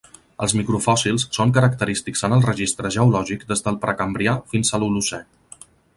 Els microfòssils són característics en el registre geològic des del Precambrià fins a l'Holocè.